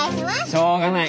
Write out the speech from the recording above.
しょうがない。